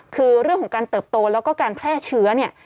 คือเรื่องของการเติบโตแล้วก็การแพร่เชื้อเนี่ย